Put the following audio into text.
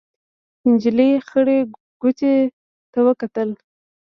نجلۍ خړې کوټې ته وکتل.